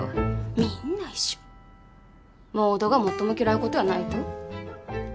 みんな一緒モードが最も嫌うことやないと？